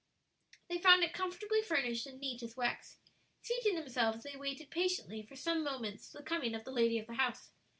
They found it comfortably furnished and neat as wax. Seating themselves they waited patiently for some moments the coming of the lady of the house.